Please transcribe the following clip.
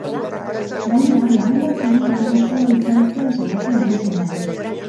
Gainera, lagun bat zauritu da sua itzaltzen saiatzen ari zenean.